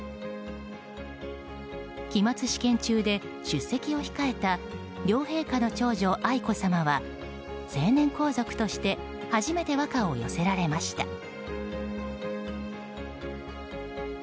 期末試験中で出席を控えた両陛下の長女・愛子さまは成年皇族として初めて和歌を寄せられました。